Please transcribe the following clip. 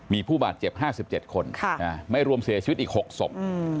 มีผู้บาดเจ็บ๕๗คนไม่รวมเสียชีวิตอีก๖ศพ